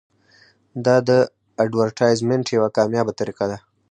دا د اډورټایزمنټ یوه کامیابه طریقه ده.